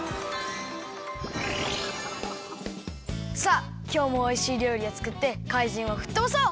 さあきょうもおいしいりょうりをつくってかいじんをふっとばそう！